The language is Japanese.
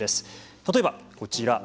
例えば、こちら。